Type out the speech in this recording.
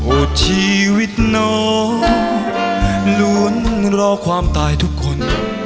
ชีวิตน้องหลุนรอความตายทุกคน